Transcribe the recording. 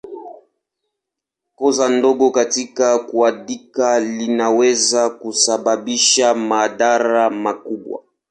Kosa dogo katika kuandika linaweza kusababisha madhara makubwa.